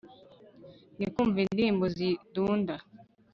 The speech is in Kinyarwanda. ndikumva indirimbo zidunda